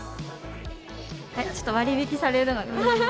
ちょっと割引されるのが。